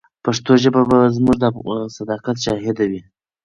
پښتو ژبه به زموږ د صداقت شاهده وي.